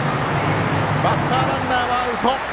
バッターランナーはアウト。